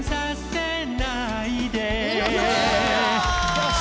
よし！